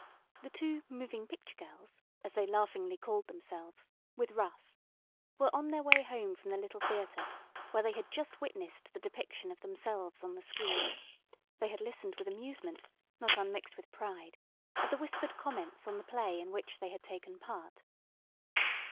The two "moving picture girls," as they laughingly called themselves, with Russ, were on their way home from the little theater where they had just witnessed the depiction of themselves on the screen. They had listened with amusement, not unmixed with pride, at the whispered comments on the play in which they had taken part.